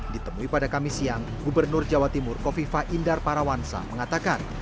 ditemui pada kamis siang gubernur jawa timur kofifa indar parawansa mengatakan